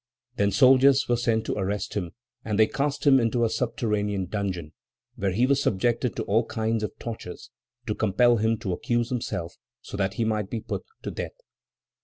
Then soldiers were sent to arrest him, and they cast him into a subterranean dungeon, where he was subjected to all kinds of tortures, to compel him to accuse himself, so that he might be put to death.